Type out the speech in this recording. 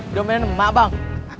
udah beli emak bang